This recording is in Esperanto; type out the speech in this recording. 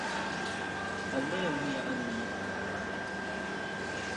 Almenaŭ mia animo!